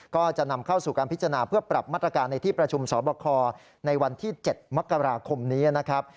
ก็จะนำเข้าสู่การพิจารณาเพื่อปรับมาตรการในที่ประชุมสอบคอในวันที่๗มกราคมนี้นะครับ